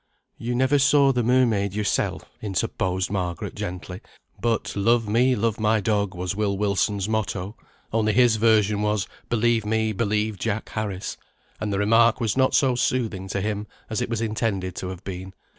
"You never saw the mermaid yoursel," interposed Margaret, gently. But "love me, love my dog," was Will Wilson's motto, only his version was "believe me, believe Jack Harris;" and the remark was not so soothing to him as it was intended to have been.